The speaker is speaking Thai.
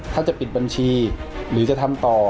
ถ้าจะปิดบัญชีหรือจะทำต่อ